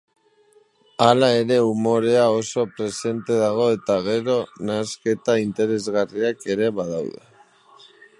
Hala ere, umorea oso presente dago eta genero nahasketa interesgarriak ere badaude.